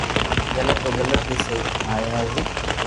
غلط تو غلط ھي سھي ھي ماري مرزي